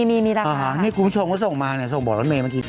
มีมีรักษาค่ะนี่คุณผู้ชมก็ส่งมาส่งบอร์ดร้อนเมย์มากิน